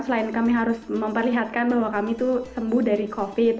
selain kami harus memperlihatkan bahwa kami itu sembuh dari covid